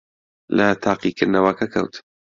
لە تاقیکردنەوەکە کەوت.